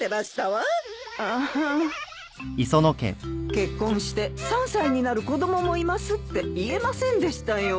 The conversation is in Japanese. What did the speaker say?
結婚して３歳になる子供もいますって言えませんでしたよ。